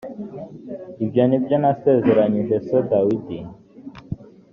ibyo nibyo nasezeranyije so dawidi